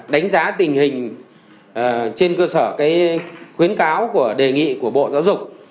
đánh giá tình hình trên cơ sở khuyến cáo của đề nghị của bộ giáo dục